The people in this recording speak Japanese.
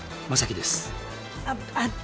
あっ。